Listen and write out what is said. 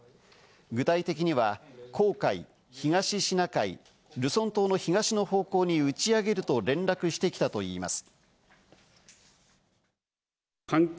具体的には、黄海、東シナ海、ルソン島の東の方向に打ち上げると連絡してきたといいます。